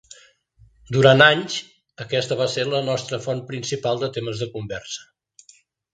Durant anys, aquesta va ser la nostra font principal de temes de conversa.